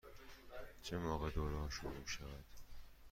چه موقع دوره ها شروع می شود؟